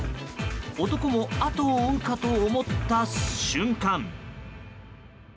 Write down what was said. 男も後を追うかと思った瞬間。